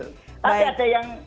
tapi ada yang